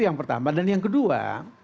yang pertama dan yang kedua